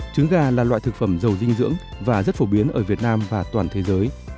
trứng gà là loại thực phẩm giàu dinh dưỡng và rất phổ biến ở việt nam và toàn thế giới